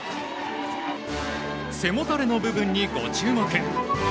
背もたれの部分に、ご注目。